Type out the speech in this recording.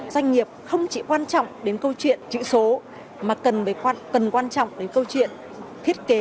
doanh nghiệp không chỉ quan trọng đến câu chuyện chữ số mà cần quan trọng đến câu chuyện thiết kế